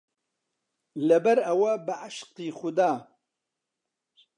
لەبەرئەوە بەعشقی خودا